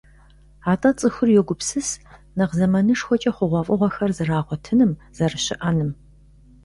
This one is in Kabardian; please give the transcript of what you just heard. АтӀэ цӀыхур йогупсыс нэхъ зэманышхуэкӀэ хъугъуэфӀыгъуэхэр зэрагъуэтыным, зэрыщыӀэным.